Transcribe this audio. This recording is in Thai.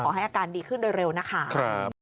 ให้อาการดีขึ้นโดยเร็วนะคะ